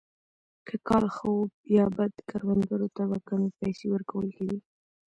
که کال ښه وو یا بد کروندګرو ته به کمې پیسې ورکول کېدې.